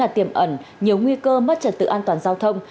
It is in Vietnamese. tiềm ẩn nhiều nguy cơ mất trật tự an toàn giao thông